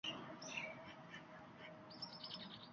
U jarayonlari tashkil etib kelinayotgan edi.